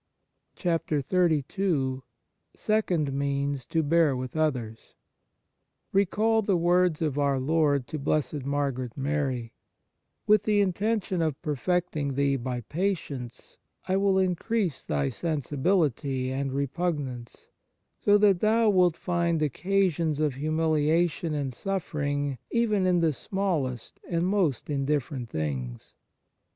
76 XXXII SECOND MEANS TO BEAR WITH OTHERS RECALL the words of our Lord to Blessed Margaret Mary :" With the intention of per fecting thee by patience I will increase thy sensibility and repugnance, so that thou wilt find occasions of humiliation and suffering even in the smallest and most indifferent things."